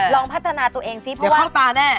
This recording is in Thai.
ลองพัฒนาตัวเองสิเดี๋ยวเข้าตาแน่